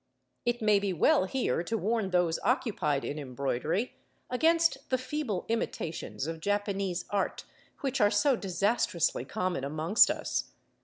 It may be well here to warn those occupied in Embroidery against the feeble imitations of Japanese art which are so disastrously common amongst us.